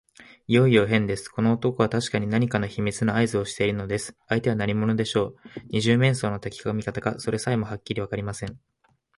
いよいよへんです。この男はたしかに何か秘密のあいずをしているのです。相手は何者でしょう。二十面相の敵か味方か、それさえもはっきりわかりません。